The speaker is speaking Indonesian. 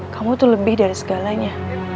kamu tuh lebih dari segalanya